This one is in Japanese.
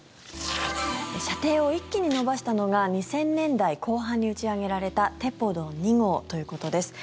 射程を一気に延ばしたのが２０００年代後半に打ち上げられたテポドン２号ということです。